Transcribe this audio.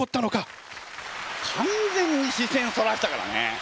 完全に視線そらしたからね。